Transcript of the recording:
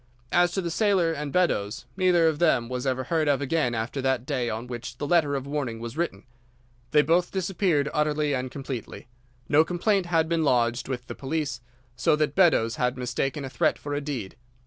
As to the sailor and Beddoes, neither of them was ever heard of again after that day on which the letter of warning was written. They both disappeared utterly and completely. No complaint had been lodged with the police, so that Beddoes had mistaken a threat for a deed.